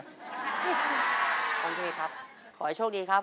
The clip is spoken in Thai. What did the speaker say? โอเคครับขอให้โชคดีครับ